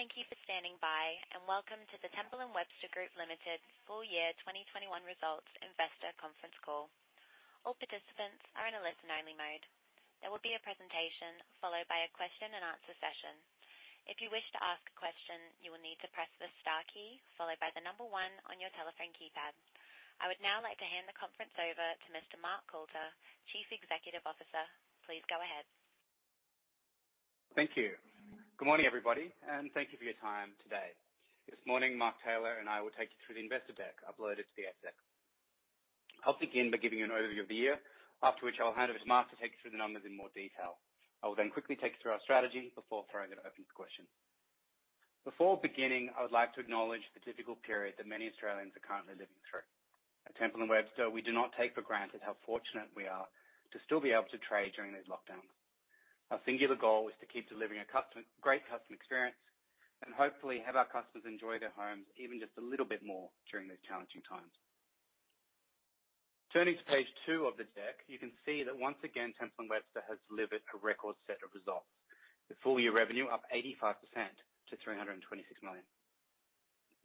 Thank you for standing by, and welcome to the Temple & Webster Group Limited full year 2021 results investor conference call. All participants are in a listen only mode. There will be a presentation followed by a question and answer session. If your wish to ask a question, you will need to press the star key followed by the number one on your telephone keypad. I would now like to hand the conference over to Mr. Mark Coulter, Chief Executive Officer. Please go ahead. Thank you. Good morning, everybody, and thank you for your time today. This morning, Mark Tayler and I will take you through the investor deck uploaded to the ASX. I'll begin by giving you an overview of the year, after which I'll hand over to Mark to take you through the numbers in more detail. I will then quickly take you through our strategy before throwing it open to questions. Before beginning, I would like to acknowledge the difficult period that many Australians are currently living through. At Temple & Webster, we do not take for granted how fortunate we are to still be able to trade during these lockdowns. Our singular goal is to keep delivering a great customer experience and hopefully have our customers enjoy their homes even just a little bit more during these challenging times. Turning to page two of the deck, you can see that once again, Temple & Webster has delivered a record set of results. With full-year revenue up 85% to 326 million.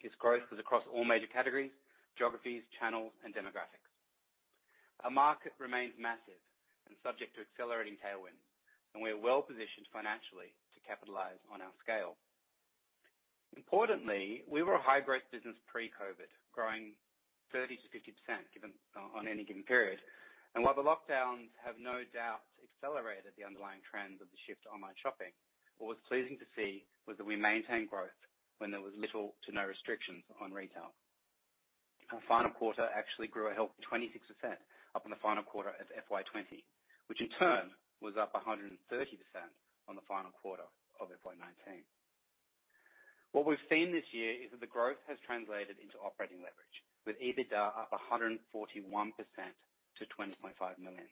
This growth was across all major categories, geographies, channels, and demographics. Our market remains massive and subject to accelerating tailwinds, and we are well-positioned financially to capitalize on our scale. Importantly, we were a high-growth business pre-COVID, growing 30%-50% on any given period. While the lockdowns have no doubt accelerated the underlying trends of the shift to online shopping, what was pleasing to see was that we maintained growth when there was little to no restrictions on retail. Our final quarter actually grew a healthy 26% up on the final quarter of FY 2020, which in turn was up 130% on the final quarter of FY 2019. What we've seen this year is that the growth has translated into operating leverage, with EBITDA up 141% to 20.5 million.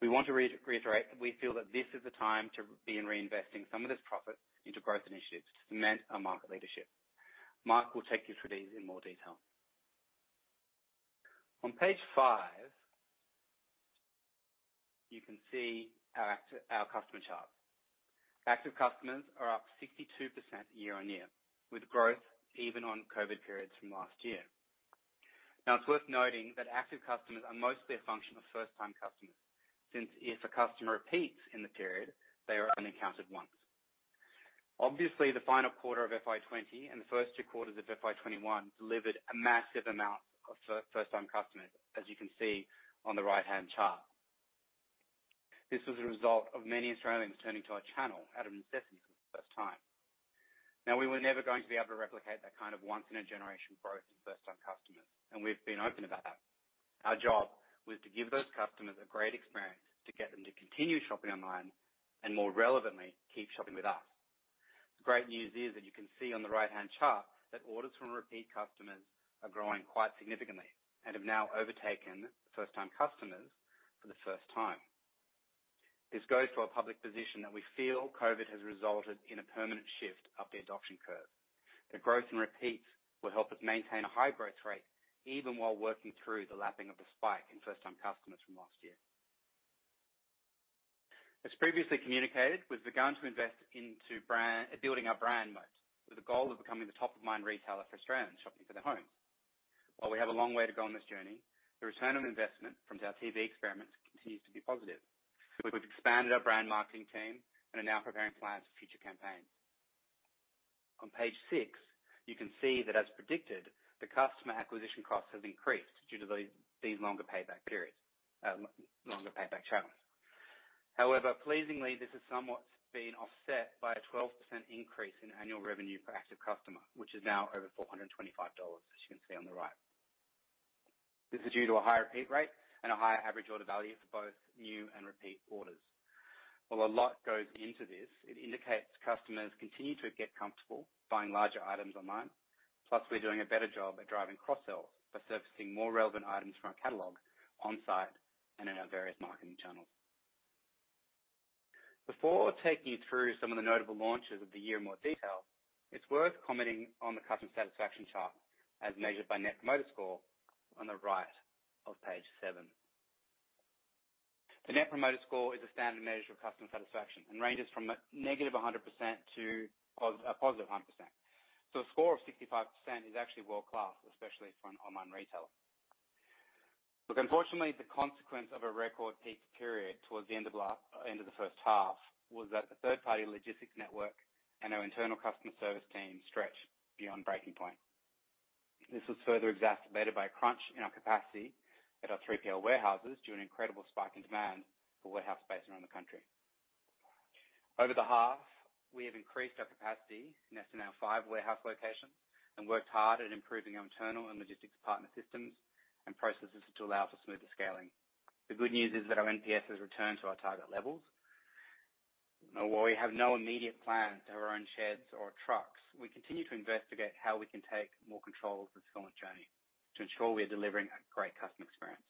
We want to reiterate that we feel that this is the time to be in reinvesting some of this profit into growth initiatives to cement our market leadership. Mark will take you through these in more detail. On page five, you can see our customer charts. Active customers are up 62% year-on-year, with growth even on COVID periods from last year. Now, it's worth noting that active customers are mostly a function of first-time customers, since if a customer repeats in the period, they are only counted once. Obviously, the final quarter of FY 2020 and the first two quarters of FY 2021 delivered a massive amount of first-time customers, as you can see on the right-hand chart. This was a result of many Australians turning to our channel out of necessity for the first time. Now, we were never going to be able to replicate that kind of once-in-a-generation growth in first-time customers, and we've been open about that. Our job was to give those customers a great experience to get them to continue shopping online, and more relevantly, keep shopping with us. The great news is that you can see on the right-hand chart that orders from repeat customers are growing quite significantly and have now overtaken first-time customers for the first time. This goes to our public position that we feel COVID has resulted in a permanent shift up the adoption curve. The growth in repeats will help us maintain a high growth rate, even while working through the lapping of the spike in first-time customers from last year. As previously communicated, we've begun to invest into building our brand moat, with the goal of becoming the top-of-mind retailer for Australians shopping for their home. While we have a long way to go on this journey, the return on investment from our TV experiments continues to be positive. We've expanded our brand marketing team and are now preparing plans for future campaigns. On page six, you can see that as predicted, the customer acquisition cost has increased due to these longer payback challenges. However, pleasingly, this has somewhat been offset by a 12% increase in annual revenue per active customer, which is now over 425 dollars, as you can see on the right. This is due to a higher repeat rate and a higher average order value for both new and repeat orders. While a lot goes into this, it indicates customers continue to get comfortable buying larger items online. We're doing a better job at driving cross-sells by surfacing more relevant items from our catalog on-site and in our various marketing channels. Before taking you through some of the notable launches of the year in more detail, it's worth commenting on the customer satisfaction chart as measured by Net Promoter Score on the right of page seven. The Net Promoter Score is a standard measure of customer satisfaction and ranges from negative 100% to a positive 100%. A score of 65% is actually world-class, especially for an online retailer. Look, unfortunately, the consequence of a record peak period towards the end of the first half was that the third-party logistics network and our internal customer service team stretched beyond breaking point. This was further exacerbated by a crunch in our capacity at our 3PL warehouses due an incredible spike in demand for warehouse space around the country. Over the half, we have increased our capacity nested in our five warehouse locations and worked hard at improving our internal and logistics partner systems and processes to allow for smoother scaling. The good news is that our NPS has returned to our target levels. Now, while we have no immediate plans to own sheds or trucks, we continue to investigate how we can take more control of this fulfillment journey to ensure we are delivering a great customer experience.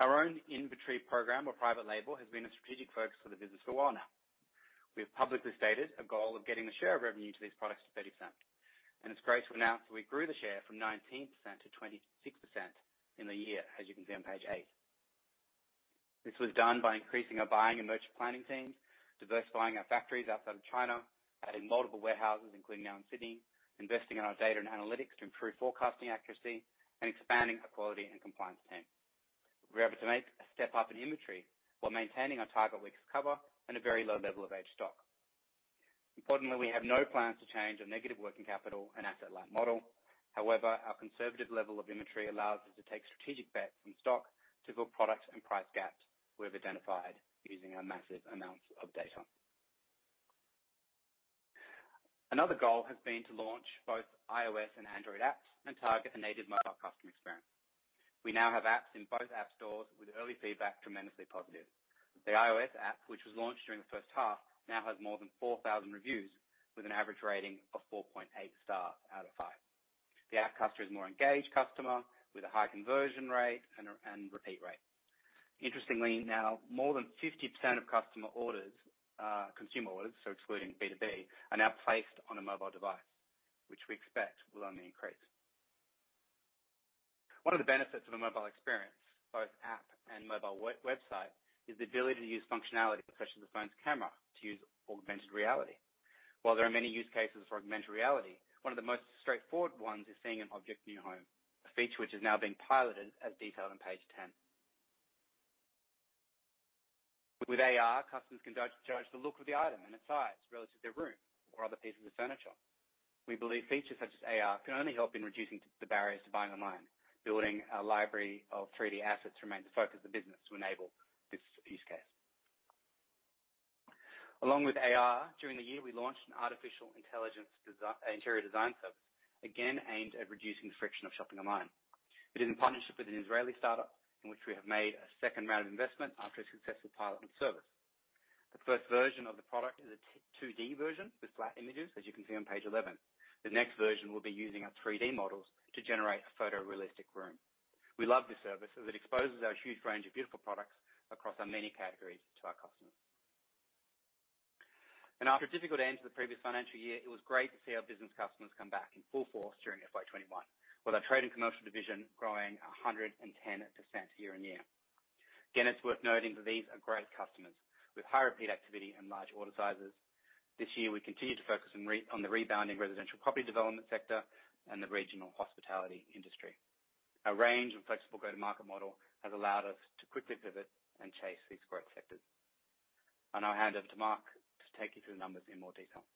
Our own inventory program or private label has been a strategic focus for the business for a while now. We have publicly stated a goal of getting the share of revenue to these products to 30%. It's great to announce that we grew the share from 19%-26% in the year, as you can see on page eight. This was done by increasing our buying and merchant planning teams, diversifying our factories outside of China, adding multiple warehouses, including now in Sydney, investing in our data and analytics to improve forecasting accuracy, and expanding our quality and compliance team. We were able to make a step-up in inventory while maintaining our target weeks cover and a very low level of age stock. Importantly, we have no plans to change our negative working capital and asset-light model. However, our conservative level of inventory allows us to take strategic bets from stock to fill product and price gaps we've identified using our massive amounts of data. Another goal has been to launch both iOS and Android apps and target a native mobile customer experience. We now have apps in both app stores with early feedback tremendously positive. The iOS app, which was launched during the first half, now has more than 4,000 reviews with an average rating of 4.8 star out of 5. The app customer is a more engaged customer with a high conversion rate and repeat rate. Interestingly, now more than 50% of customer orders, consumer orders, so excluding B2B, are now placed on a mobile device, which we expect will only increase. One of the benefits of the mobile experience, both app and mobile website, is the ability to use functionality, such as the phone's camera, to use augmented reality. While there are many use cases for augmented reality, one of the most straightforward ones is seeing an object in your home, a feature which is now being piloted as detailed on page 10. With AR, customers can judge the look of the item and its size relative to their room or other pieces of furniture. We believe features such as AR can only help in reducing the barriers to buying online. Building a library of 3D assets remains the focus of the business to enable this use case. Along with AR, during the year, we launched an artificial intelligence interior design service, again, aimed at reducing the friction of shopping online. It is in partnership with an Israeli startup in which we have made a second round of investment after a successful pilot and service. The first version of the product is a 2D version with flat images, as you can see on page 11. The next version will be using our 3D models to generate a photorealistic room. We love this service as it exposes our huge range of beautiful products across our many categories to our customers. After a difficult end to the previous financial year, it was great to see our business customers come back in full force during FY 2021, with our Trade & Commercial division growing 110% year-on-year. Again, it's worth noting that these are great customers with high repeat activity and large order sizes. This year, we continue to focus on the rebounding residential property development sector and the regional hospitality industry. Our range and flexible go-to-market model has allowed us to quickly pivot and chase these growth sectors. I now hand over to Mark to take you through the numbers in more detail.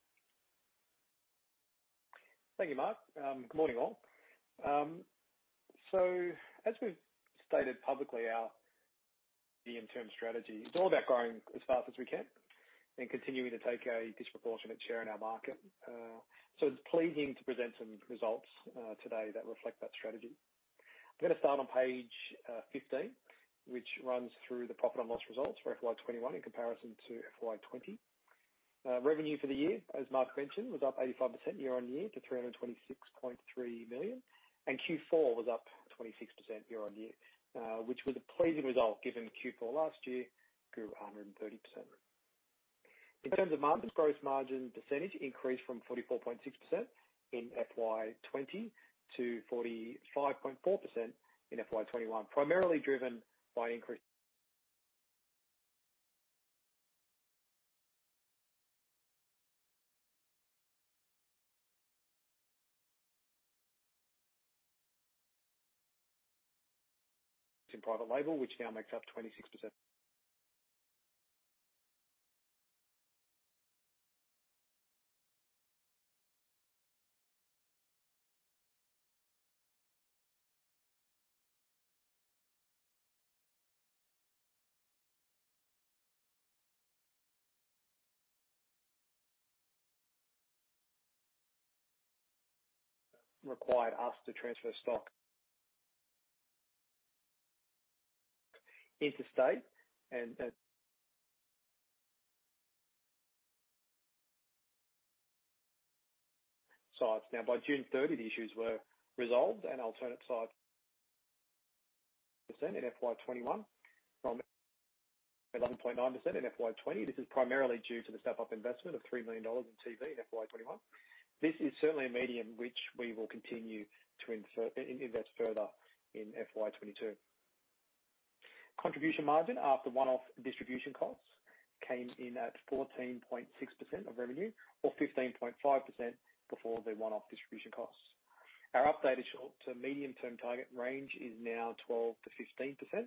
Thank you, Mark. Good morning, all. As we've stated publicly, our the interim strategy is all about growing as fast as we can and continuing to take a disproportionate share in our market. It's pleasing to present some results today that reflect that strategy. I'm going to start on page 15, which runs through the profit and loss results for FY 2021 in comparison to FY 2020. Revenue for the year, as Mark mentioned, was up 85% year-on-year to 326.3 million, and Q4 was up 26% year-on-year. Which was a pleasing result given Q4 last year grew 130%. In terms of margins, gross margin percentage increased from 44.6% in FY 2020 to 45.4% in FY 2021, primarily driven by an increase in private label, which now makes up 26%. Required us to transfer stock interstate and sites. By June 30th, the issues were resolved and [inaudible] percent in FY 2021 from 11.9% in FY 2020. This is primarily due to the step-up investment of 3 million dollars in TV in FY 2021. This is certainly a medium which we will continue to invest further in FY 2022. Contribution margin after one-off distribution costs came in at 14.6% of revenue or 15.5% before the one-off distribution costs. Our updated short to medium-term target range is now 12%-15%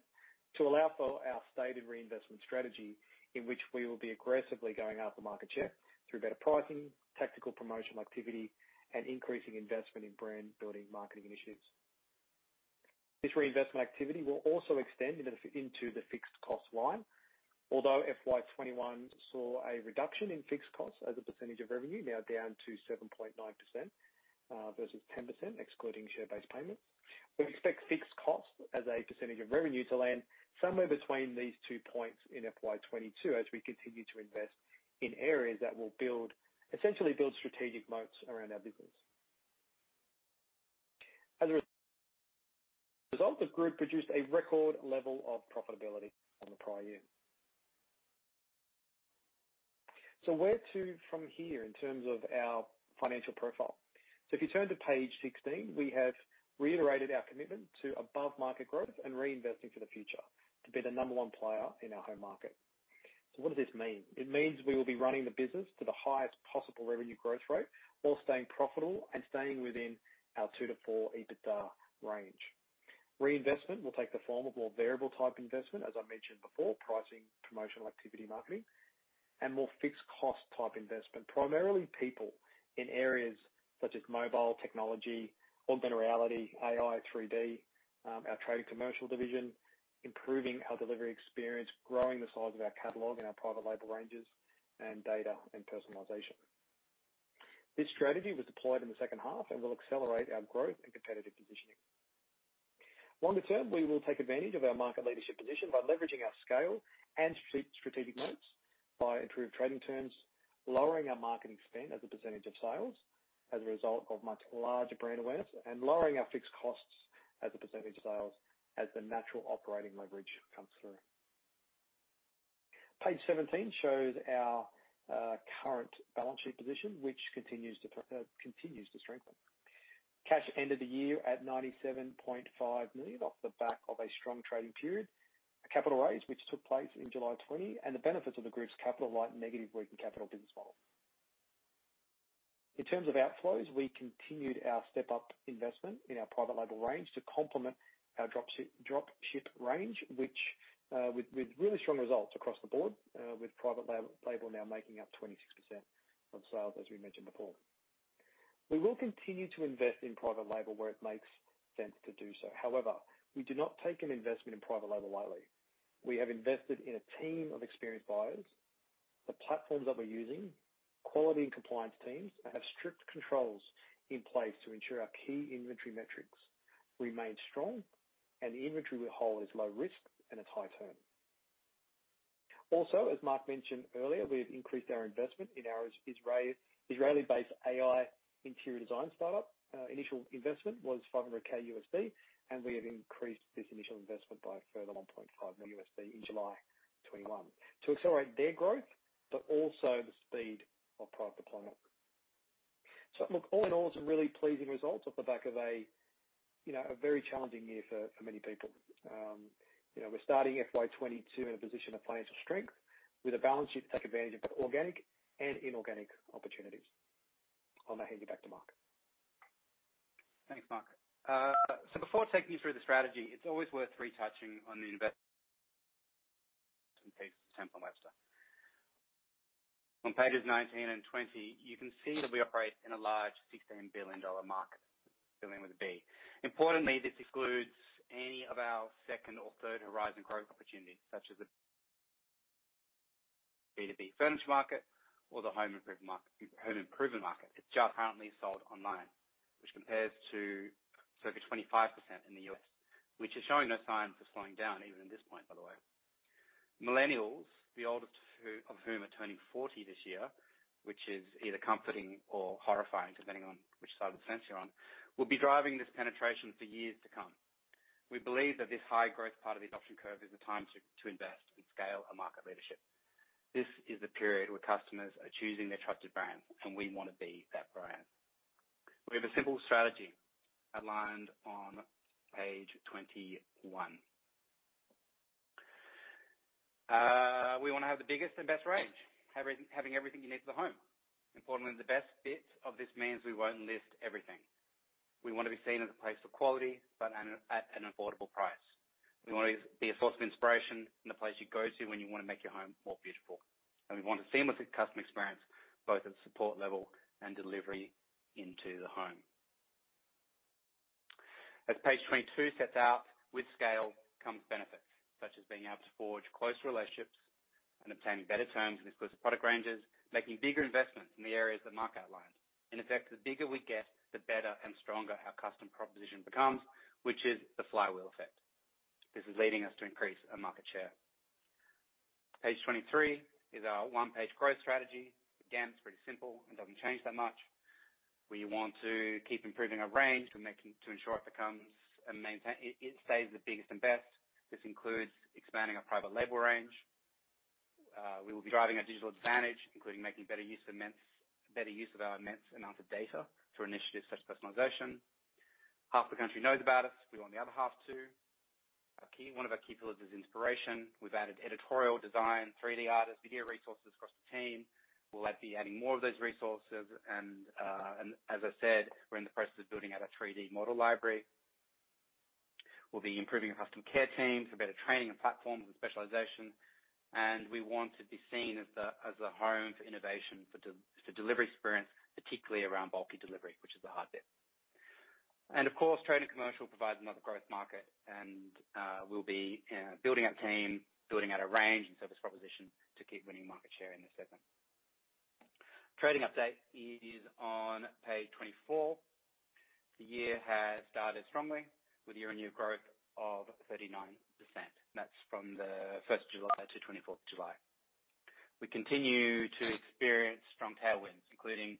to allow for our stated reinvestment strategy in which we will be aggressively going after market share through better pricing, tactical promotion activity, and increasing investment in brand-building marketing initiatives. This reinvestment activity will also extend into the fixed cost line. Although FY 2021 saw a reduction in fixed costs as a percentage of revenue, now down to 7.9% versus 10%, excluding share-based payments. We expect fixed costs as a percentage of revenue to land somewhere between these two points in FY 2022 as we continue to invest in areas that will essentially build strategic moats around our business. As a result, the group produced a record level of profitability on the prior year. Where to from here in terms of our financial profile? If you turn to page 16, we have reiterated our commitment to above-market growth and reinvesting for the future to be the number one player in our home market. What does this mean? It means we will be running the business to the highest possible revenue growth rate while staying profitable and staying within our 2%-4% EBITDA range. Reinvestment will take the form of more variable-type investment, as I mentioned before, pricing, promotional activity, marketing, and more fixed cost type investment, primarily people in areas such as mobile technology, augmented reality, AI, 3D, our Trade & Commercial division, improving our delivery experience, growing the size of our catalog and our private label ranges, and data and personalization. This strategy was deployed in the second half and will accelerate our growth and competitive positioning. Longer term, we will take advantage of our market leadership position by leveraging our scale and strategic moats by improved trading terms, lowering our marketing spend as a percentage of sales as a result of much larger brand awareness, and lowering our fixed costs as a percentage of sales as the natural operating leverage comes through. Page 17 shows our current balance sheet position, which continues to strengthen. Cash end of the year at 97.5 million, off the back of a strong trading period, a capital raise which took place in July 2020, and the benefits of the group's capital-light, negative working capital business model. In terms of outflows, we continued our step-up investment in our private label range to complement our drop-ship range, with really strong results across the board, with private label now making up 26% of sales, as we mentioned before. We will continue to invest in private label where it makes sense to do so. However, we do not take an investment in private label lightly. We have invested in a team of experienced buyers. The platforms that we're using, quality and compliance teams have strict controls in place to ensure our key inventory metrics remain strong and the inventory we hold is low risk and it's high turn. Also, as Mark mentioned earlier, we have increased our investment in our Israeli-based AI interior design startup. Initial investment was $500,000, we have increased this initial investment by a further $1.5 million in July 2021 to accelerate their growth, but also the speed of product deployment. Look, all in all, some really pleasing results off the back of a very challenging year for many people. We're starting FY 2022 in a position of financial strength with a balance sheet to take advantage of both organic and inorganic opportunities. I'll now hand you back to Mark. Thanks, Mark. Before taking you through the strategy, it's always worth retouching on the investment piece of Temple & Webster. On pages 19 and 20, you can see that we operate in a large 16 billion dollar market, billion with a B. Importantly, this excludes any of our second or third horizon growth opportunities, such as the B2B furniture market or the home improvement market. It's just currently sold online, which compares to circa 25% in the U.S., which is showing no signs of slowing down even at this point, by the way. Millennials, the oldest of whom are turning 40 this year, which is either comforting or horrifying, depending on which side of the fence you're on, will be driving this penetration for years to come. We believe that this high-growth part of the adoption curve is the time to invest and scale our market leadership. This is the period where customers are choosing their trusted brand, and we want to be that brand. We have a simple strategy outlined on page 21. We want to have the biggest and best range, having everything you need for the home. Importantly, the best bit of this means we won't list everything. We want to be seen as a place for quality, but at an affordable price. We want to be a source of inspiration and the place you go to when you want to make your home more beautiful. We want a seamless customer experience, both at the support level and delivery into the home. As page 22 sets out, with scale comes benefits, such as being able to forge closer relationships and obtaining better terms and exclusive product ranges, making bigger investments in the areas that Mark outlined. In effect, the bigger we get, the better and stronger our customer proposition becomes, which is the flywheel effect. This is leading us to increase our market share. Page 23 is our one-page growth strategy. It's pretty simple and doesn't change that much. We want to keep improving our range to ensure it stays the biggest and best. This includes expanding our private label range. We will be driving our digital advantage, including making better use of our immense amount of data through initiatives such as personalization. Half the country knows about us. We want the other half, too. One of our key pillars is inspiration. We've added editorial design, 3D artists, video resources across the team. We'll be adding more of those resources. As I said, we're in the process of building out a 3D model library. We'll be improving our customer care teams for better training and platforms and specialization. We want to be seen as the home for innovation for delivery experience, particularly around bulky delivery, which is the hard bit. Of course, Trade & Commercial provides another growth market, and we'll be building our team, building out a range and service proposition to keep winning market share in this segment. Trading update is on page 24. The year has started strongly with year-on-year growth of 39%. That's from the 1st of July to 24th July. We continue to experience strong tailwinds, including,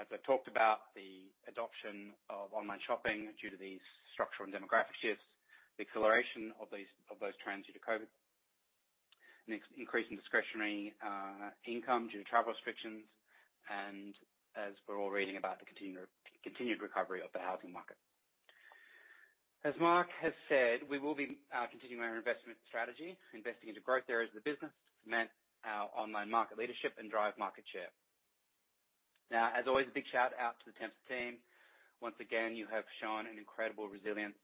as I've talked about, the adoption of online shopping due to these structural and demographic shifts, the acceleration of those trends due to COVID, an increase in discretionary income due to travel restrictions, and as we're all reading about, the continued recovery of the housing market. As Mark has said, we will be continuing our investment strategy, investing into growth areas of the business to cement our online market leadership and drive market share. Now, as always, a big shout-out to the Temps team. Once again, you have shown an incredible resilience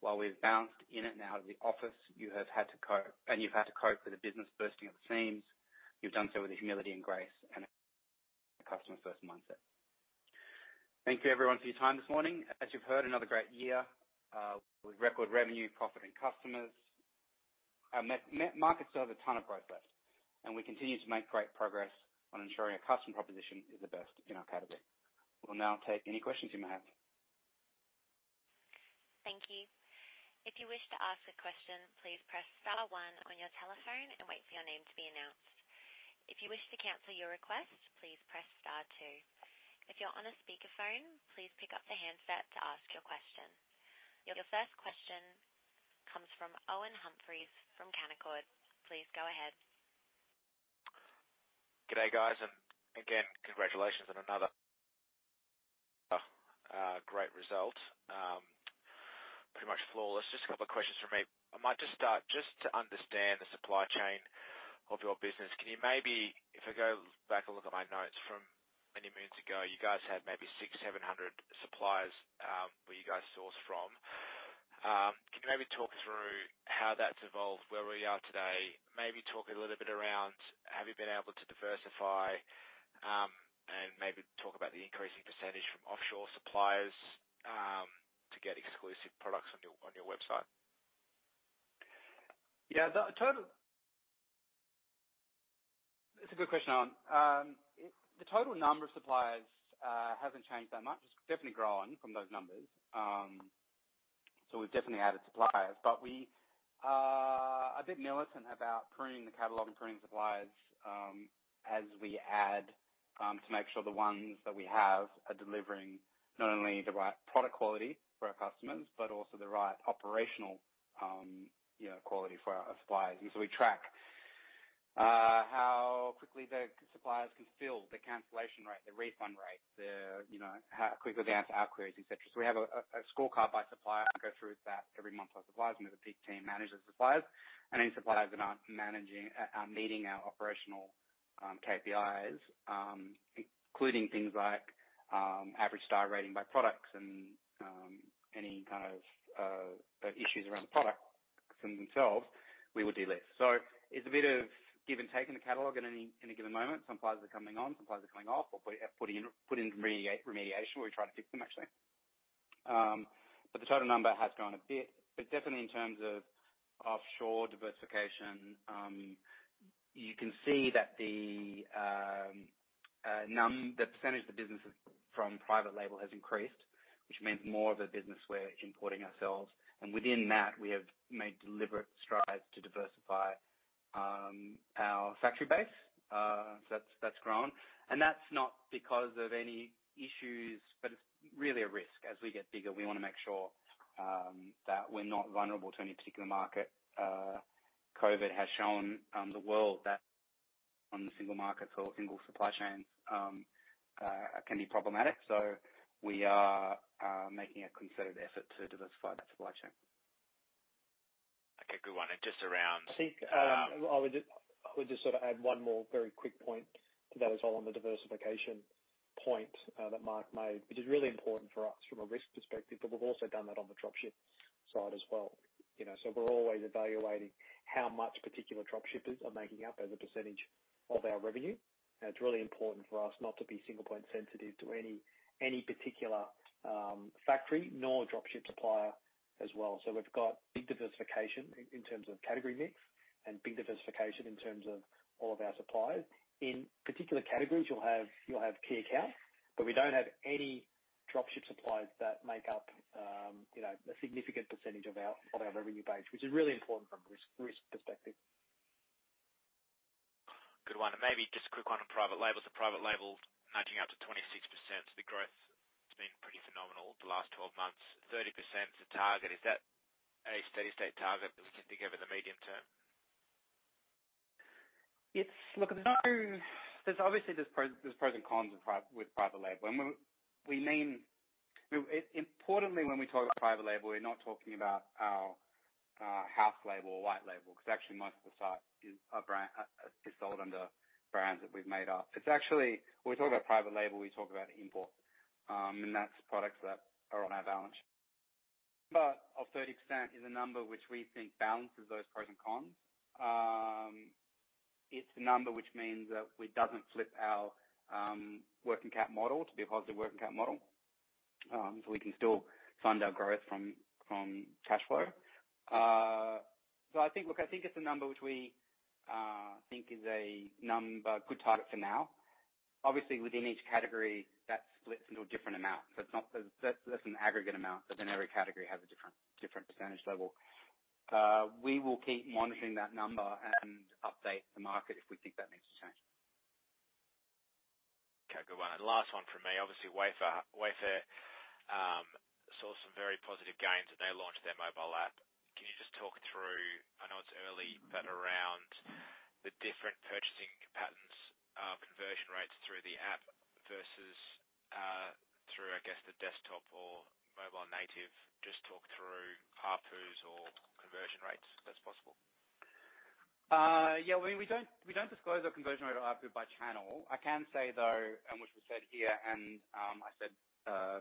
while we've bounced in and out of the office, and you've had to cope with a business bursting at the seams. You've done so with humility and grace and a customer-first mindset. Thank you, everyone, for your time this morning. As you've heard, another great year with record revenue, profit, and customers. Our market still have a ton of growth left, and we continue to make great progress on ensuring our customer proposition is the best in our category. We'll now take any questions you may have. Thank you. If you wish to ask a question, please press star one on your telephone and wait for your name to be announced. If you wish to cancel your request, please press star two. If you're on a speakerphone, please pick up the handset to ask your question. Your first question comes from Owen Humphries from Canaccord. Please go ahead. Good day, guys. Again, congratulations on another great result. Pretty much flawless. Just a couple of questions from me. I might just start just to understand the supply chain of your business. If I go back and look at my notes from many moons ago, you guys had maybe 6, 700 suppliers where you guys sourced from. Can you maybe talk through how that's evolved, where we are today? Maybe talk a little bit around have you been able to diversify, and maybe talk about the increasing percentage from offshore suppliers, to get exclusive products on your website. It's a good question, Owen. The total number of suppliers hasn't changed that much. It's definitely grown from those numbers. We are a bit militant about pruning the catalog and pruning suppliers as we add, to make sure the ones that we have are delivering not only the right product quality for our customers, but also the right operational quality for our suppliers. We track how quickly the suppliers can fill, the cancellation rate, the refund rate, how quickly they answer our queries, et cetera. We have a scorecard by supplier and go through that every month by suppliers. We have a [inaudible] team manage the suppliers. Any suppliers that aren't meeting our operational KPIs, including things like average star rating by products and any kind of issues around the products themselves, we would delist. It's a bit of give and take in the catalog at any given moment. Some suppliers are coming on, some suppliers are coming off, or put in remediation where we try to fix them actually. The total number has grown a bit. Definitely in terms of offshore diversification, you can see that the percentage of the business from private label has increased, which means more of the business we're importing ourselves. Within that, we have made deliberate strides to diversify our factory base. That's grown. That's not because of any issues, but it's really a risk. As we get bigger, we want to make sure that we're not vulnerable to any particular market. COVID has shown the world that on the single markets or single supply chains can be problematic. We are making a concerted effort to diversify that supply chain. Okay. Good one. Just around- I think I would just add one more very quick point to that as well on the diversification point that Mark made, which is really important for us from a risk perspective, but we've also done that on the drop-ship side as well. We're always evaluating how much particular drop-shippers are making up as a percentage of our revenue. It's really important for us not to be single-point sensitive to any particular factory nor drop-ship supplier as well. We've got big diversification in terms of category mix and big diversification in terms of all of our suppliers. In particular categories, you'll have key accounts, but we don't have any drop-ship suppliers that make up a significant percentage of our revenue base, which is really important from a risk perspective. Good one. Maybe just a quick one on private labels. Private label nudging up to 26%. The growth has been pretty phenomenal the last 12 months. 30% is the target. Is that a steady state target that we can think of in the medium term? Look, there's obviously pros and cons with private label. Importantly, when we talk about private label, we're not talking about our house label or white label, because actually, most of the site is sold under brands that we've made up. When we talk about private label, we talk about import. That's products that are on our balance sheet. Of 30% is a number which we think balances those pros and cons. It's a number which means that it doesn't flip our working cap model to be a positive working cap model. We can still fund our growth from cash flow. I think it's a number which we think is a good target for now. Obviously, within each category, that splits into a different amount. That's an aggregate amount, every category has a different percentage level. We will keep monitoring that number and update the market if we think that needs to change. Okay. Good one. Last one from me. Obviously, Wayfair saw some very positive gains when they launched their mobile app. Can you just talk through, I know it's early, but around the different purchasing patterns, conversion rates through the app versus through, I guess, the desktop or mobile native. Just talk through ARPUs or conversion rates, if that's possible. Yeah. We don't disclose our conversion rate or ARPU by channel. I can say, though, and which we said here and I said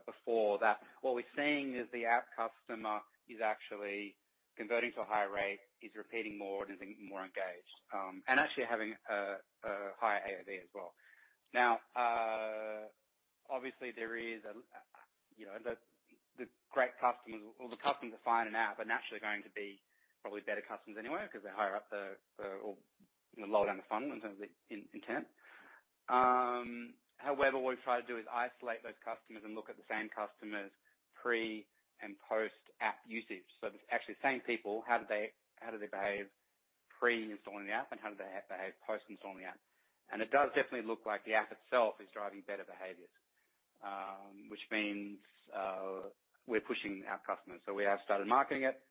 before, that what we're seeing is the app customer is actually converting to a higher rate, is repeating more, and is more engaged. Actually having a higher AOV as well. Now, obviously, the great customers or the customers that find an app are naturally going to be probably better customers anyway because they're higher up or lower down the funnel in terms of intent. However, what we've tried to do is isolate those customers and look at the same customers pre- and post-app usage. It's actually the same people. How do they behave pre-installing the app, and how do they behave post-installing the app? It does definitely look like the app itself is driving better behaviors. Which means, we're pushing our customers. We have started marketing it.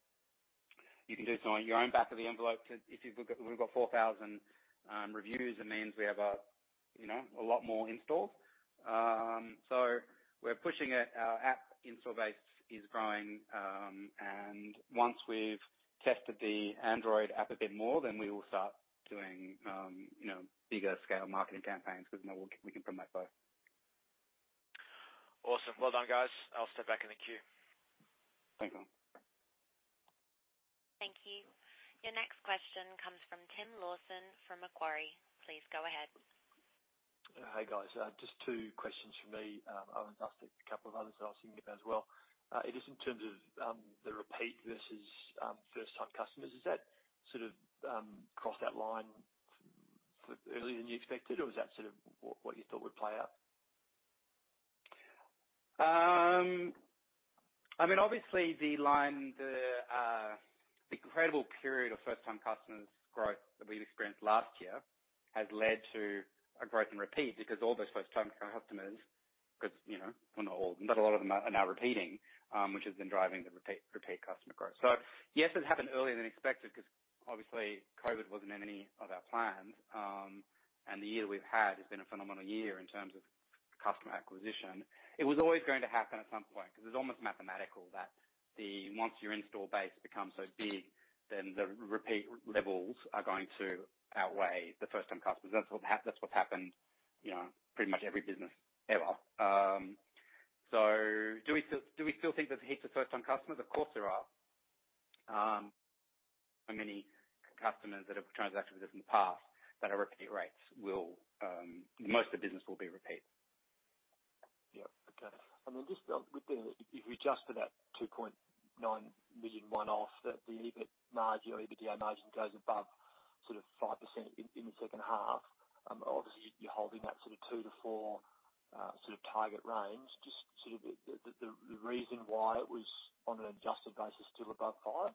You can do some of your own back-of-the-envelope. We've got 4,000 reviews. It means we have a lot more installs. We're pushing it. Our app install base is growing. Once we've tested the Android app a bit more, we will start doing bigger scale marketing campaigns because now we can promote both. Awesome. Well done, guys. I'll step back in the queue. Thank you. Thank you. Your next question comes from Tim Lawson from Macquarie. Please go ahead. Hey, guys. Just two questions from me. I've asked a couple of others, and I'll see if you can bear as well. [inaudible] the repeat versus first-time customers, has that sort of crossed that line earlier than you expected? Was that sort of what you thought would play out? Obviously, the incredible period of first-time customers growth that we've experienced last year has led to a growth in repeat because all those first-time customers, because not a lot of them are now repeating, which has been driving the repeat customer growth. Yes, it happened earlier than expected because obviously COVID wasn't in any of our plans. The year we've had has been a phenomenal year in terms of customer acquisition. It was always going to happen at some point because it's almost mathematical that once your install base becomes so big, then the repeat levels are going to outweigh the first-time customers. That's what's happened pretty much every business ever. Do we still think there's heaps of first-time customers? Of course, there are. For many customers that have transacted with us in the past, that our repeat rates will most of the business will be repeat. Yep. Okay. Just within, if we adjust for that 2.9 million one-off, the EBIT margin or EBITDA margin goes above 5% in the second half. Obviously, you're holding that 2%-4% sort of target range. Just the reason why it was on an adjusted basis still above 5%.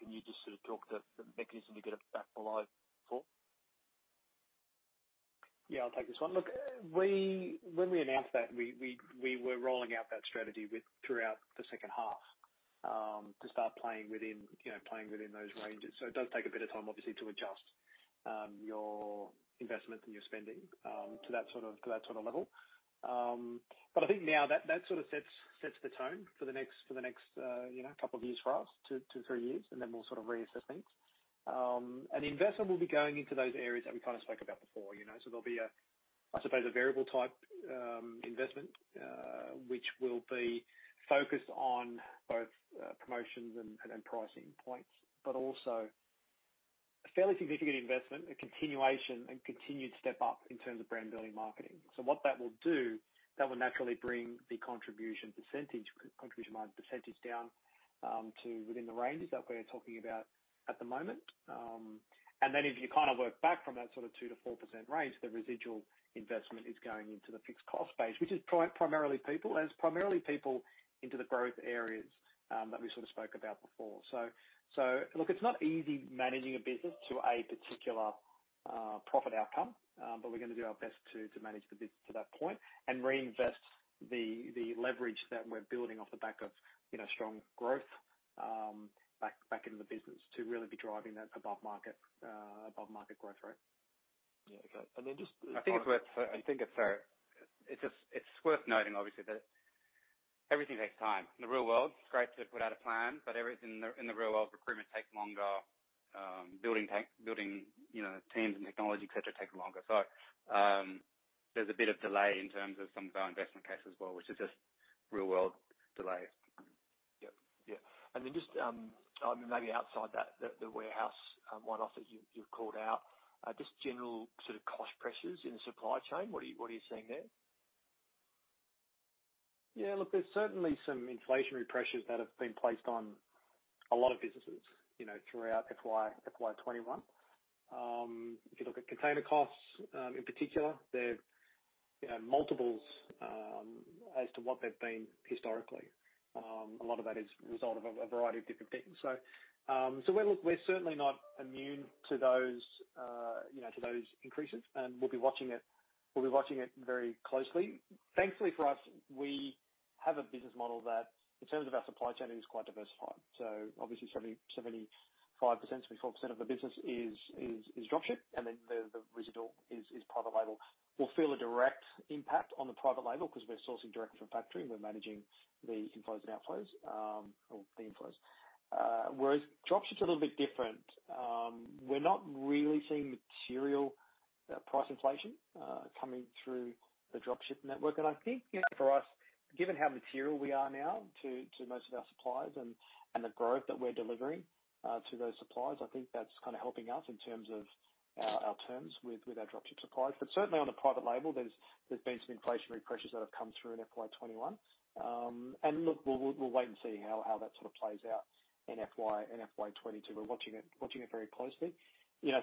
Can you just sort of talk the mechanism to get it back below 4%? Yeah, I'll take this one. Look, when we announced that, we were rolling out that strategy throughout the second half, to start playing within those ranges. It does take a bit of time, obviously, to adjust your investment and your spending to that sort of level. I think now that sets the tone for the next couple of years for us, two to three years, and then we'll sort of reassess things. Investment will be going into those areas that we kind of spoke about before. There'll be, I suppose, a variable-type investment, which will be focused on both promotions and pricing points. Also a fairly significant investment, a continuation, and continued step up in terms of brand building marketing. What that will do, that will naturally bring the contribution margin percentage down to within the ranges that we're talking about at the moment. If you work back from that 2%-4% range, the residual investment is going into the fixed cost base. Which is primarily people, and it's primarily people into the growth areas that we spoke about before. Look, it's not easy managing a business to a particular profit outcome, but we're going to do our best to manage the business to that point and reinvest the leverage that we're building off the back of strong growth back into the business to really be driving that above-market growth rate. Yeah. Okay. I think it's worth noting, obviously, that everything takes time. In the real world, it's great to put out a plan, but everything in the real world, recruitment takes longer. Building teams and technology, et cetera, takes longer. There's a bit of delay in terms of some of our investment cases as well, which is just real-world delay. Yep. Yeah. Just maybe outside that, the warehouse one-off that you've called out. Just general sort of cost pressures in the supply chain. What are you seeing there? Yeah, look, there's certainly some inflationary pressures that have been placed on a lot of businesses throughout FY 2021. If you look at container costs, in particular. You know, multiples as to what they've been historically. A lot of that is a result of a variety of different things. We're certainly not immune to those increases, and we'll be watching it very closely. Thankfully for us, we have a business model that in terms of our supply chain is quite diversified. Obviously, 75%, 74% of the business is drop-ship, and then the residual is private label. We'll feel a direct impact on the private label because we're sourcing direct from factory. We're managing the inflows and outflows or the inflows. Whereas drop-ship's a little bit different. We're not really seeing material price inflation coming through the drop-ship network. I think for us, given how material we are now to most of our suppliers and the growth that we're delivering to those suppliers, I think that's kind of helping us in terms of our terms with our drop-ship suppliers. Certainly, on the private label, there's been some inflationary pressures that have come through in FY 2021. Look, we'll wait and see how that sort of plays out in FY 2022. We're watching it very closely.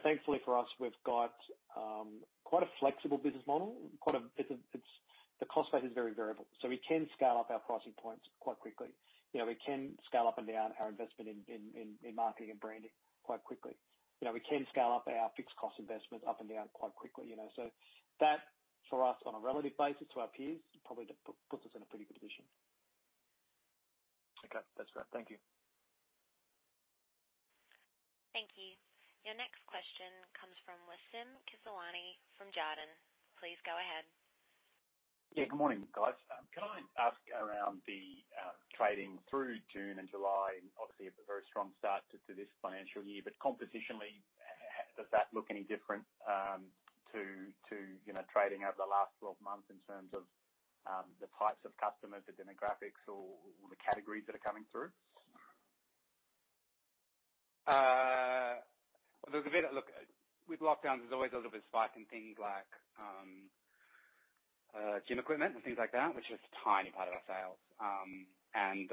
Thankfully for us, we've got quite a flexible business model. The cost base is very variable. We can scale up our pricing points quite quickly. We can scale up and down our investment in marketing and branding quite quickly. We can scale up our fixed cost investments up and down quite quickly. That for us on a relative basis to our peers, probably puts us in a pretty good position. Okay. That's great. Thank you. Thank you. Your next question comes from Wassim Kiswani from Jarden. Please go ahead. Good morning, guys. Can I ask around the trading through June and July? Obviously, a very strong start to this financial year. Competitionally, does that look any different to trading over the last 12 months in terms of the types of customers, the demographics or the categories that are coming through? Look, with lockdowns, there's always a little bit of spike in things like gym equipment and things like that, which is a tiny part of our sales.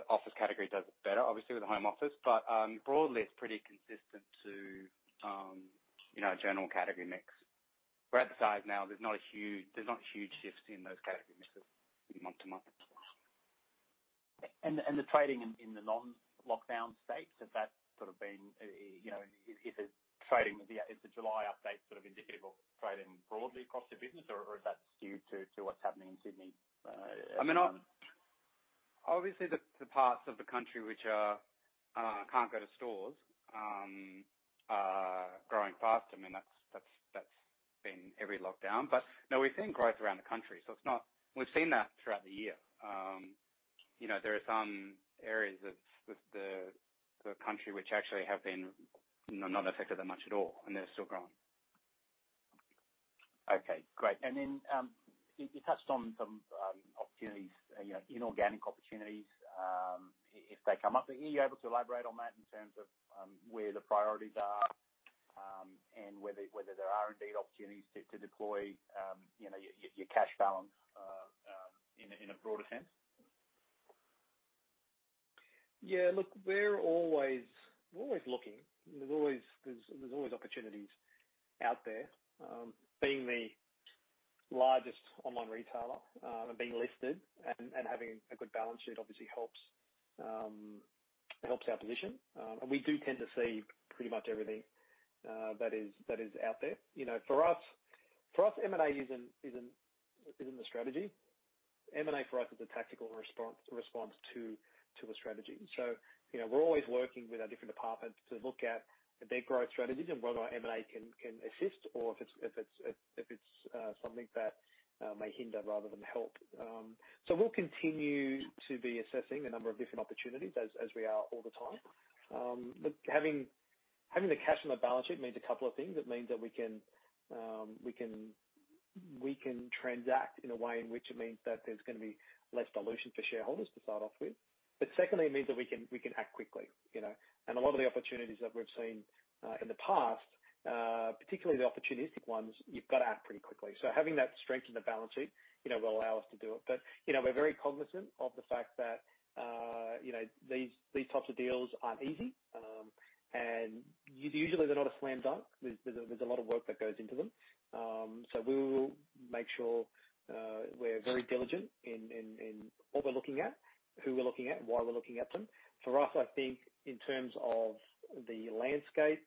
Office category does better, obviously, with the home office. Broadly, it's pretty consistent to a general category mix. We're at the size now. There's not huge shifts in those category mixes month to month. The trading in the non-lockdown states, is the July update sort of indicative of trading broadly across the business? Or is that skewed to what's happening in Sydney? Obviously, the parts of the country which can't go to stores are growing faster. That's been every lockdown. No, we've seen growth around the country. We've seen that throughout the year. There are some areas of the country which actually have been not affected that much at all, and they're still growing. Okay, great. Then you touched on some opportunities, inorganic opportunities if they come up. Are you able to elaborate on that in terms of where the priorities are and whether there are indeed opportunities to deploy your cash balance in a broader sense? Yeah, look, we're always looking. There's always opportunities out there. Being the largest online retailer and being listed and having a good balance sheet obviously helps our position. We do tend to see pretty much everything that is out there. For us, M&A isn't a strategy. M&A for us is a tactical response to a strategy. We're always working with our different departments to look at their growth strategies and whether M&A can assist or if it's something that may hinder rather than help. We'll continue to be assessing a number of different opportunities as we are all the time. Having the cash on the balance sheet means a couple of things. It means that we can transact in a way in which it means that there's going to be less dilution for shareholders to start off with. Secondly, it means that we can act quickly. A lot of the opportunities that we've seen in the past, particularly the opportunistic ones, you've got to act pretty quickly. Having that strength in the balance sheet will allow us to do it. We're very cognizant of the fact that these types of deals aren't easy. Usually, they're not a slam dunk. There's a lot of work that goes into them. We will make sure we're very diligent in what we're looking at, who we're looking at, and why we're looking at them. For us, I think in terms of the landscape,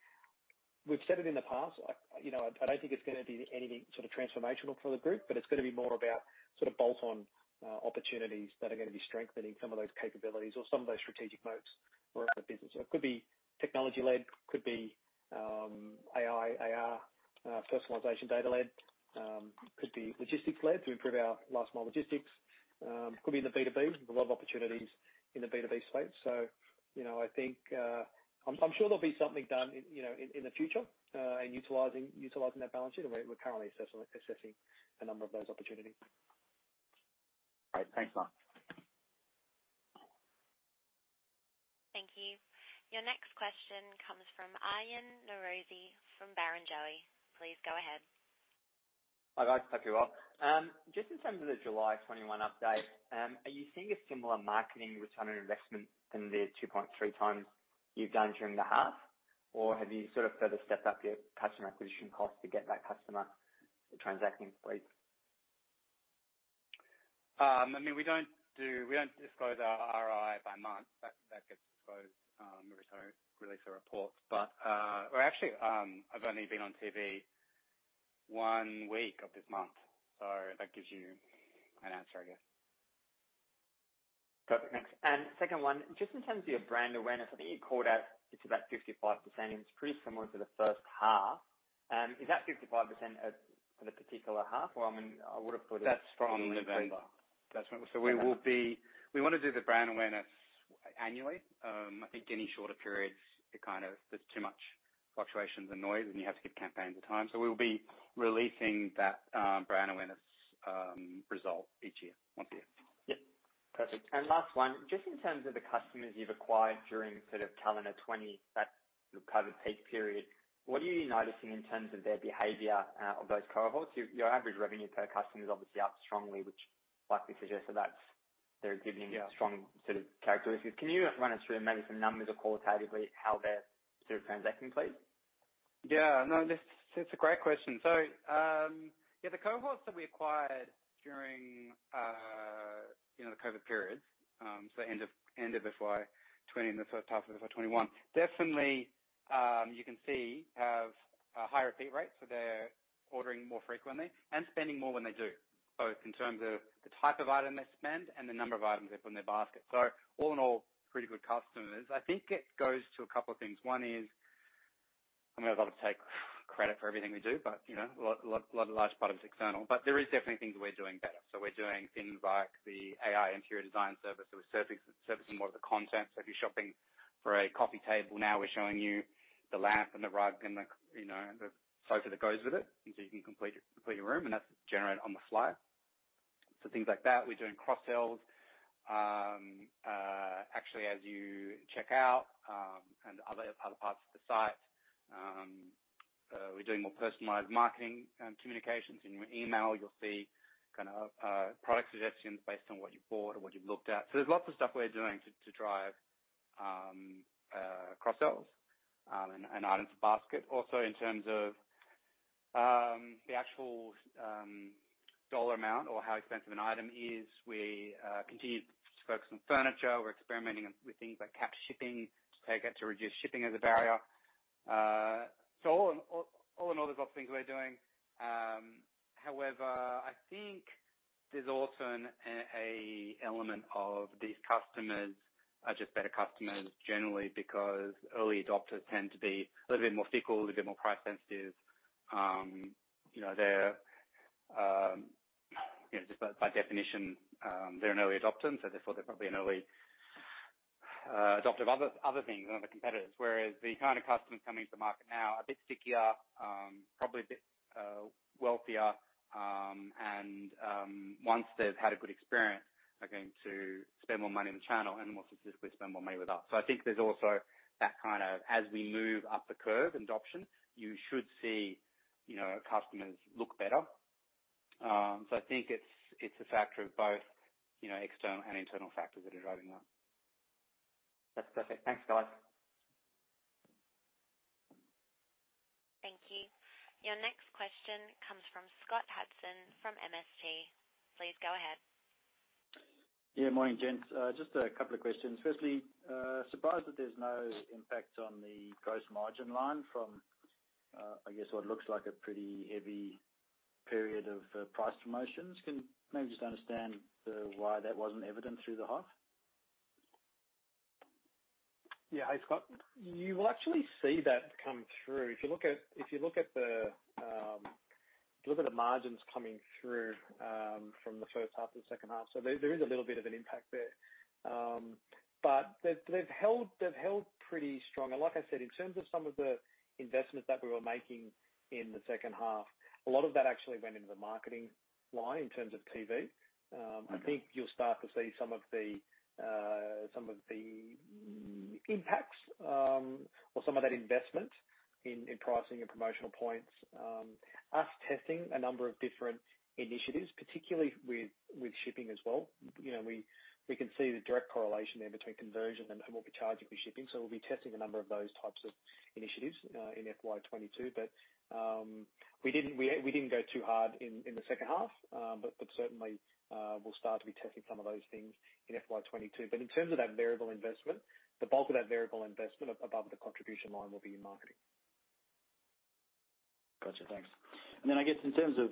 we've said it in the past, I do not think it's going to be anything sort of transformational for the group, but it's going to be more about sort of bolt-on opportunities that are going to be strengthening some of those capabilities or some of those strategic moats for the business. It could be technology-led, could be AI, AR, personalization, data-led. Could be logistics-led to improve our last-mile logistics. Could be in the B2B. There's a lot of opportunities in the B2B space. I'm sure there'll be something done in the future and utilizing that balance sheet. We're currently assessing a number of those opportunities. All right. Thanks, Mark. Thank you. Your next question comes from Aryan Norozi from Barrenjoey. Please go ahead. Hi, guys. Hope you're well. Just in terms of the July 2021 update, are you seeing a similar marketing return on investment than the 2.3x you've done during the half? Or have you further stepped up your customer acquisition cost to get that customer to transacting, please? We don't disclose our ROI by month. That gets disclosed when we release our reports. Well, actually, I've only been on TV one week of this month, so that gives you an answer, I guess. Perfect. Thanks. Second one, just in terms of your brand awareness, I think you called out it's about 55%, and it's pretty similar to the first half. Is that 55% for the particular half? That's from November. We want to do the brand awareness annually. I think any shorter periods, there's too much fluctuations and noise. You have to give campaigns the time. We'll be releasing that brand awareness result each year, once a year. Yep. Perfect. Last one, just in terms of the customers you've acquired during calendar 2020, that COVID peak period, what are you noticing in terms of their behavior of those cohorts? Your average revenue per customer is obviously up strongly. [inaudible] strong characteristics. Can you run us through maybe some numbers or qualitatively how they're transacting, please? No, that's a great question. The cohorts that we acquired during the COVID periods, end of FY 2020 and the first half of FY 2021, definitely, you can see, have a higher repeat rate, so they're ordering more frequently and spending more when they do, both in terms of the type of item they spend and the number of items they put in their basket. All in all, pretty good customers. I think it goes to a couple of things. One is, I'm going to take credit for everything we do, but a large part of it is external. There is definitely things that we're doing better. We're doing things like the AI interior design service, so we're servicing more of the content. If you're shopping for a coffee table now, we're showing you the lamp and the rug and the sofa that goes with it, you can complete your room, that's generated on the fly. Things like that. We're doing cross-sells. Actually, as you check out, and other parts of the site. We're doing more personalized marketing and communications. In your email, you'll see product suggestions based on what you've bought or what you've looked at. There's lots of stuff we're doing to drive cross-sells and items to basket. Also, in terms of the actual dollar amount or how expensive an item is, we continue to focus on furniture. We're experimenting with things like capped shipping to reduce shipping as a barrier. All in all, there's lots of things we're doing. However, I think there's also an element of these customers are just better customers generally because early adopters tend to be a little bit more fickle, a little bit more price sensitive. By definition, they're an early adopter, and so therefore, they're probably an early adopter of other things and other competitors. Whereas the kind of customers coming to the market now are a bit stickier, probably a bit wealthier, and once they've had a good experience, are going to spend more money in the channel and more specifically, spend more money with us. I think there's also that kind of, as we move up the curve in adoption, you should see customers look better. I think it's a factor of both external and internal factors that are driving that. That's perfect. Thanks, guys. Thank you. Your next question comes from Scott Hudson from MST. Please go ahead. Yeah. Morning, gents. Just a couple of questions. Firstly, surprised that there's no impact on the gross margin line from, I guess what looks like a pretty heavy period of price promotions. Can maybe just understand why that wasn't evident through the half? Hey, Scott. You will actually see that come through. If you look at the margins coming through from the first half to the second half. There is a little bit of an impact there. They've held pretty strong. Like I said, in terms of some of the investments that we were making in the second half, a lot of that actually went into the marketing line in terms of TV. Okay. I think you'll start to see some of the impacts or some of that investment in pricing and promotional points. Us testing a number of different initiatives, particularly with shipping as well. We can see the direct correlation there between conversion and what we're charging for shipping. We'll be testing a number of those types of initiatives in FY 2022. We didn't go too hard in the second half. Certainly, we'll start to be testing some of those things in FY 2022. In terms of that variable investment, the bulk of that variable investment above the contribution line will be in marketing. Got you. Thanks. Then I guess in terms of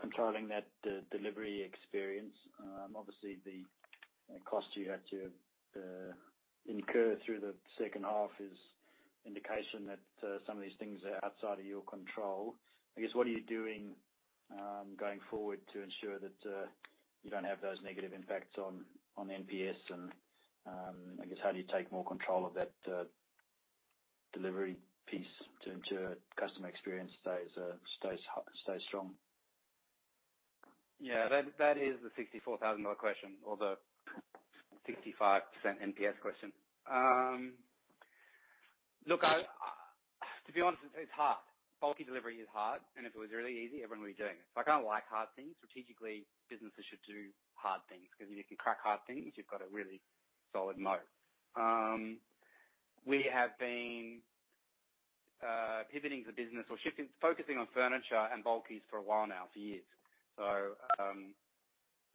controlling that delivery experience, obviously, the cost you had to incur through the second half is indication that some of these things are outside of your control. I guess, what are you doing going forward to ensure that you don't have those negative impacts on NPS? I guess how do you take more control of that delivery piece to ensure customer experience stays strong? Yeah, that is the 64,000 dollar question or the 65% NPS question. Look, to be honest, it's hard. Bulky delivery is hard. If it was really easy, everyone would be doing it. I kind of like hard things. Strategically, businesses should do hard things because if you can crack hard things, you've got a really solid moat. We have been pivoting the business or shifting, focusing on furniture and bulkies for a while now, for years.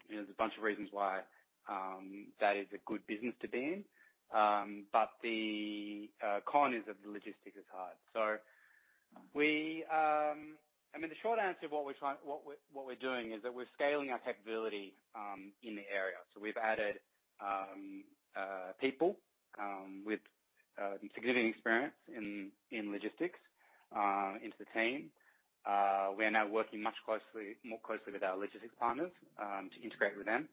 There's a bunch of reasons why that is a good business to be in. The con is that the logistics is hard. The short answer of what we're doing is that we're scaling our capability in the area. We've added people with significant experience in logistics into the team. We are now working much more closely with our logistics partners to integrate with them,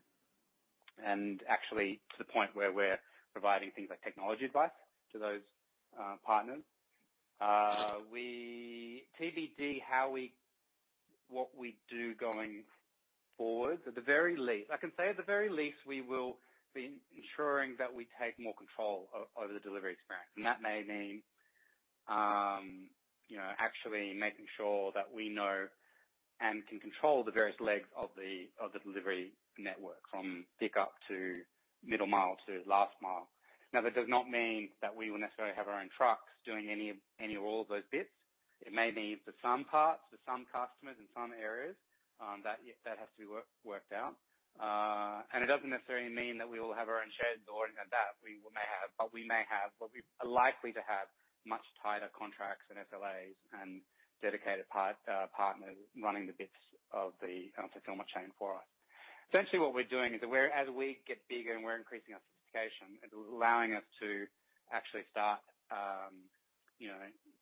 and actually to the point where we're providing things like technology advice to those partners. TBD how we, what we do going forward. I can say at the very least, we will be ensuring that we take more control over the delivery experience. That may mean actually making sure that we know and can control the various legs of the delivery network from pick-up to middle mile to last mile. That does not mean that we will necessarily have our own trucks doing any or all of those bits. It may mean for some parts, for some customers in some areas, that has to be worked out. It doesn't necessarily mean that we will have our own sheds or any of that. We may have. We are likely to have much tighter contracts and SLAs and dedicated partners running the bits of the fulfillment chain for us. Essentially, what we're doing is as we get bigger and we're increasing our sophistication, it's allowing us to actually start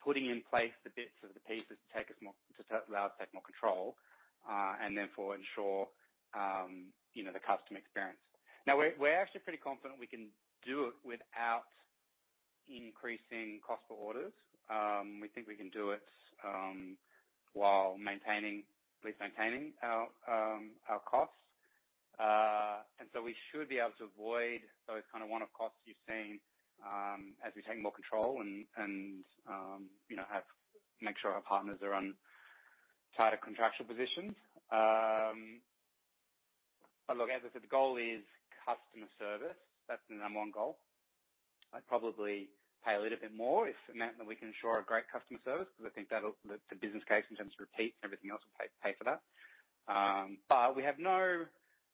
putting in place the bits of the pieces to allow us to take more control, and therefore ensure the customer experience. Now we're actually pretty confident we can do it without increasing cost per orders. We think we can do it while at least maintaining our costs. We should be able to avoid those one-off costs you've seen, as we take more control and make sure our partners are on tighter contractual positions. Look, as I said, the goal is customer service. That's the number one goal. I'd probably pay a little bit more if it meant that we can ensure a great customer service, because I think that the business case in terms of repeat and everything else will pay for that. We have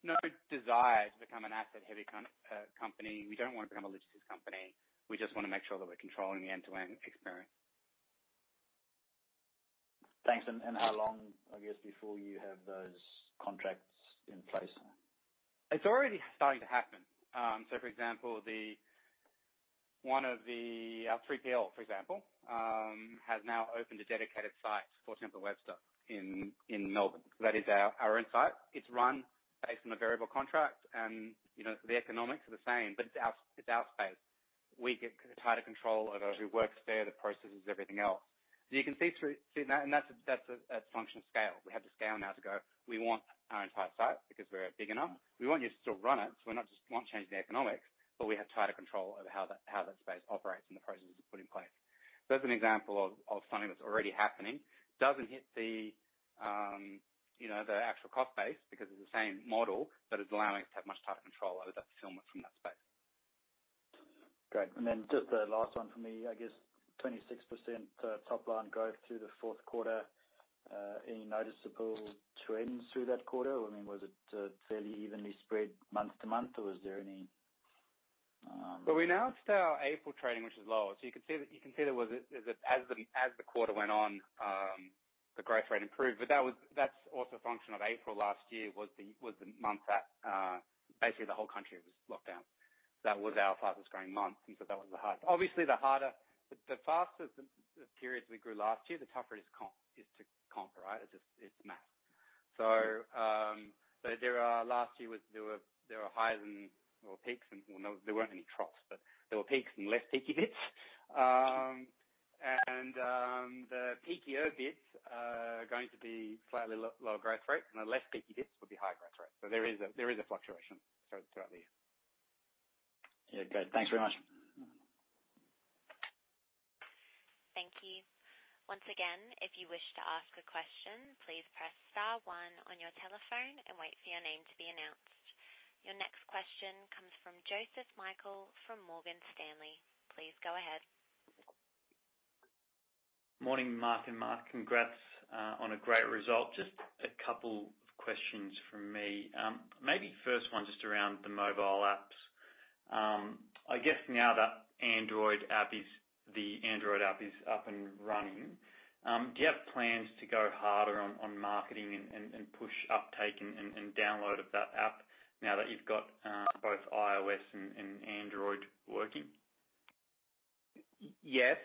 no desire to become an asset-heavy kind of company. We don't want to become a logistics company. We just want to make sure that we're controlling the end-to-end experience. Thanks. How long, I guess, before you have those contracts in place? It's already starting to happen. For example the, one of the, our 3PL, for example, has now opened a dedicated site for Temple & Webster in Melbourne. That is our own site. It's run based on a variable contract, and the economics are the same, but it's our space. We get tighter control over who works there, the processes, everything else. You can see through that, and that's a function of scale. We have the scale now to go, we want our own type site because we're big enough. We want you to still run it, so we're not just want change in the economics, but we have tighter control over how that space operates and the processes we put in place. That's an example of something that's already happening. Doesn't hit the actual cost base because it's the same model, but it's allowing us to have much tighter control over that fulfillment from that space. Great. Just the last one for me, I guess 26% top line growth through the fourth quarter. Any noticeable trends through that quarter? I mean, was it fairly evenly spread month to month? We announced our April trading, which was lower. You could see that as the quarter went on, the growth rate improved. That's also a function of April last year was the month that basically the whole country was locked down. That was our fastest-growing month. That was the hardest. Obviously, the faster the periods we grew last year, the tougher it is to conquer, right. It's math. Last year there were peaks and there weren't any troughs, but there were peaks and less peaky bits. The peakier bits are going to be slightly lower growth rate, and the less peaky bits will be higher growth rate. There is a fluctuation throughout the year. Yeah, good. Thanks very much. Thank you. Once again, if you wish to ask a question, please press star one on your telephone and wait for your name to be announced. Your next question comes from Joseph Michael from Morgan Stanley. Please go ahead. Morning, Mark and Mark. Congrats on a great result. Just a couple of questions from me. Maybe first one just around the mobile apps. I guess now the Android app is up and running. Do you have plans to go harder on marketing and push uptake and download of that app now that you've got both iOS and Android working? Yes.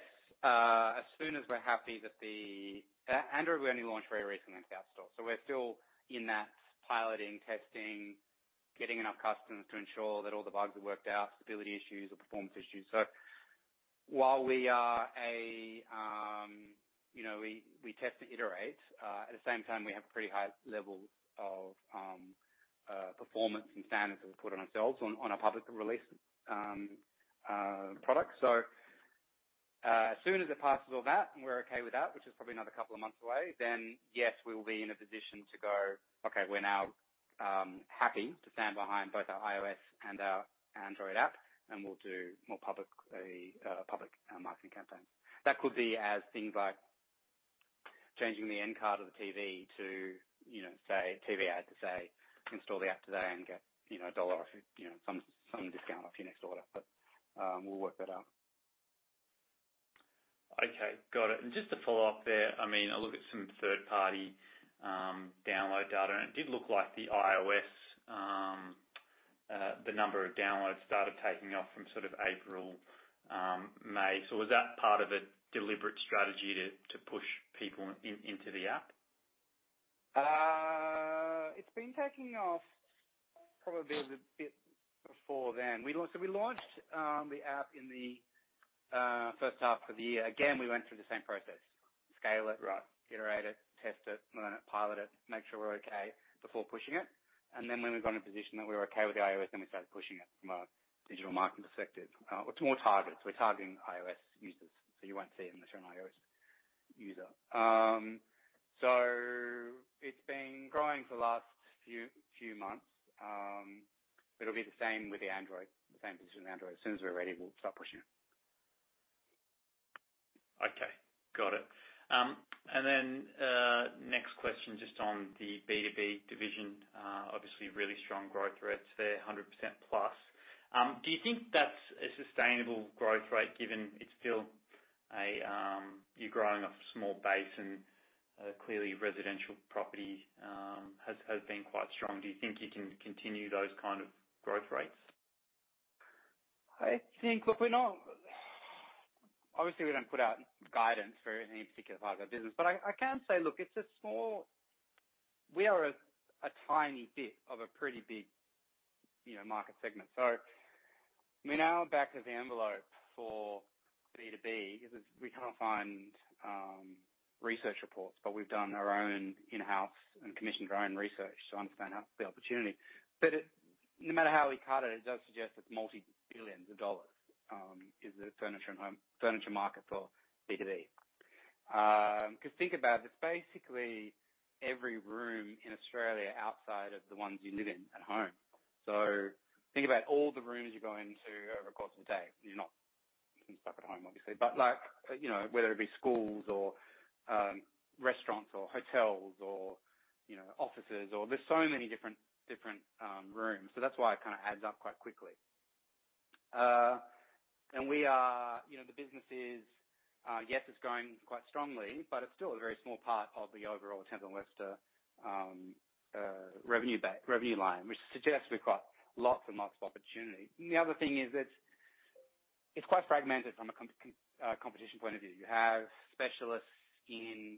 Android, we only launched very recently in the App Store. We're still in that piloting, testing, getting enough customers to ensure that all the bugs are worked out, stability issues or performance issues. While we test and iterate. At the same time, we have pretty high levels of performance and standards that we put on ourselves on a public release product. As soon as it passes all that and we're okay with that, which is probably another a couple months away, yes, we will be in a position to go, okay, we're now happy to stand behind both our iOS and our Android app, and we'll do more public marketing campaigns. That could be as things like changing the end card of the TV ad to say, install the app today and get a dollar off, some discount off your next order. We'll work that out. Okay. Got it. Just to follow up there, I look at some third-party download data, and it did look like the iOS, the number of downloads started taking off from sort of April, May. Was that part of a deliberate strategy to push people into the app? It's been taking off probably a bit before then. We launched the app in the first half of the year. Again, we went through the same process. Right. Iterate it, test it, learn it, pilot it, make sure we're okay before pushing it. When we got in a position that we were okay with the iOS, then we started pushing it from a digital marketing perspective. It's more targets. We're targeting iOS users, so you won't see it unless you're an iOS user. It's been growing for the last few months. It'll be the same with the Android, the same position with Android. As soon as we're ready, we'll start pushing it. Okay. Got it. Next question, just on the B2B division. Obviously really strong growth rates there, 100%+. Do you think that's a sustainable growth rate given you're growing off a small base and clearly residential property has been quite strong? Do you think you can continue those kind of growth rates? Obviously, we don't put out guidance for any particular part of our business, but I can say, look, we are a tiny bit of a pretty big market segment. We're now back of the envelope for B2B because we can't find research reports, but we've done our own in-house and commissioned our own research to understand the opportunity. No matter how we cut it does suggest it's multi-billions of AUD, is the furniture market for B2B. Think about it's basically every room in Australia outside of the ones you live in at home. Think about all the rooms you go into over the course of a day. When you're not stuck at home, obviously. Whether it be schools or restaurants or hotels or offices. There's so many different rooms. That's why it adds up quite quickly. The business is, yes, it's growing quite strongly, but it's still a very small part of the overall Temple & Webster revenue line, which suggests we've got lots and lots of opportunity. The other thing is it's quite fragmented from a competition point of view. You have specialists in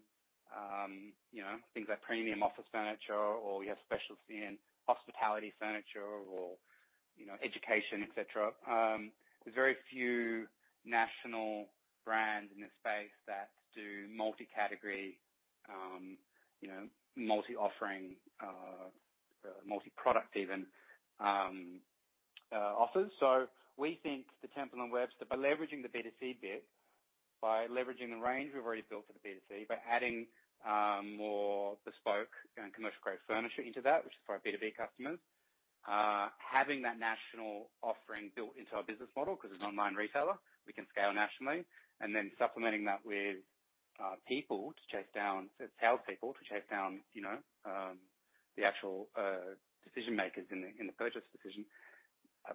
things like premium office furniture, or you have specialists in hospitality furniture or education, et cetera. There's very few national brands in the space that do multi-category, multi-offering, multi-product even, offers. We think that Temple & Webster, by leveraging the B2C bit, by leveraging the range we've already built for the B2C, by adding more bespoke and commercial-grade furniture into that, which is for our B2B customers. Having that national offering built into our business model because as an online retailer, we can scale nationally. Supplementing that with salespeople to chase down the actual decision-makers in the purchase decision.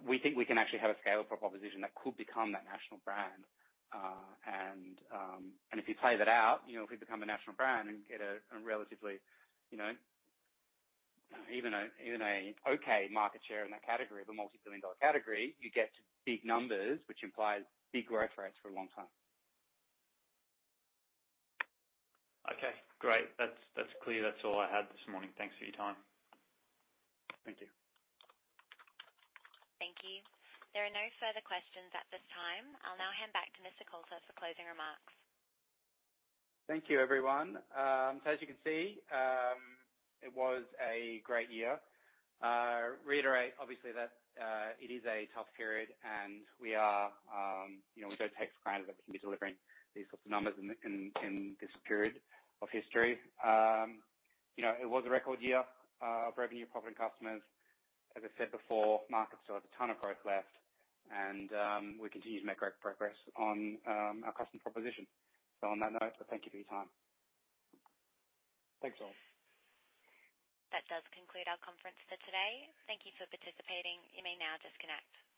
We think we can actually have a scalable proposition that could become that national brand. If you play that out, if we become a national brand and get a relatively, even a okay market share in that category of a multi-billion AUD category, you get to big numbers, which implies big growth rates for a long time. Okay, great. That's clear. That's all I had this morning. Thanks for your time. Thank you. Thank you. There are no further questions at this time. I'll now hand back to Mr. Coulter for closing remarks. Thank you, everyone. As you can see, it was a great year. Reiterate, obviously, that it is a tough period, and we don't take for granted that we can be delivering these sorts of numbers in this period of history. It was a record year of revenue, profit, and customers. As I said before, market still has a ton of growth left, and we continue to make great progress on our customer proposition. On that note, thank you for your time. Thanks all. That does conclude our conference for today. Thank you for participating. You may now disconnect.